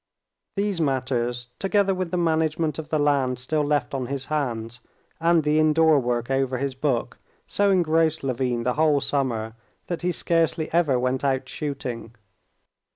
These matters, together with the management of the land still left on his hands, and the indoor work over his book, so engrossed Levin the whole summer that he scarcely ever went out shooting.